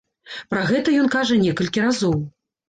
Пра гэта ён кажа некалькі разоў.